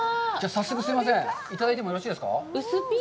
早速、すいません、いただいてもよろしいですか。